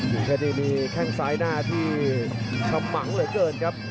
อิงเพชรยังมีข้างซ้ายหน้าที่ชำมังเหลือเกินครับ